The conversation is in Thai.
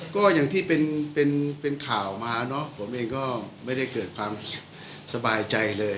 ก็อย่างที่เป็นข่าวมาเนอะผมเองก็ไม่ได้เกิดความสบายใจเลย